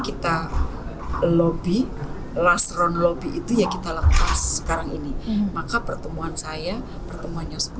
kita lebih lastron lebih itu ya kita lakukan sekarang ini maka pertemuan saya pertemuan yang